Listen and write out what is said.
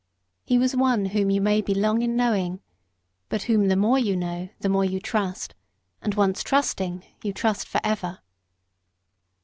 He was one whom you may be long in knowing, but whom the more you know the more you trust; and once trusting, you trust for ever.